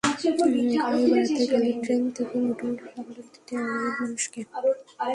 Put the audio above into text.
গাঁয়ে বেড়াতে গেলে ট্রেন থেকে মুঠো মুঠো চকলেট দিত অগণিত মানুষকে।